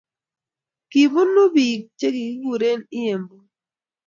kibunuu biik chekikuren Ihembu